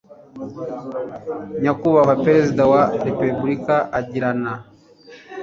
nyakubahwa perezida wa repubulika agirana